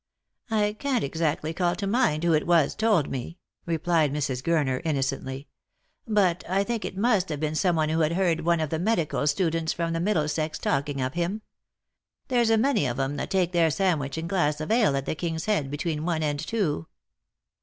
" I can't exactly call to mind who it was told me," replied Mrs. Gurner innocently, " but I think it must have been some one who had heard one of the medical students from the Middlesex talking of him. There's a many of 'em that take their sandwich and glass of ale at the King's Head between one and two."